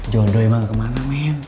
jodoh iman kemana men